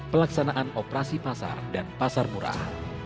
pelaksanaan operasi pasar dan pasar murah